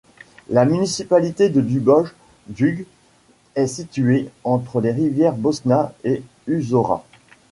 La municipalité de Duboj Jug est située entre les rivières Bosna et Usora.